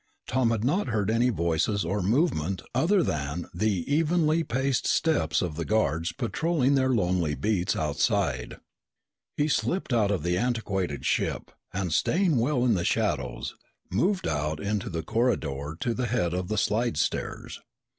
Tom had not heard any voices or movement other than the evenly paced steps of the guards patrolling their lonely beats outside. He slipped out of the antiquated ship, and staying well in the shadows, moved out into the corridor to the head of the slidestairs.